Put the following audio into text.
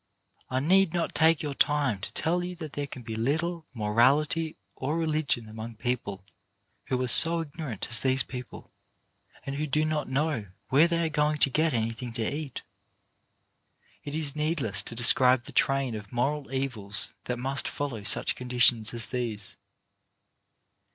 I need not take your time to tell you that there can be little morality or re ligion among people who are so ignorant as these people, and who do not know where they are go ing to get anything to eat. It is needless to de scribe the train of moral evils that must follow such conditions as these.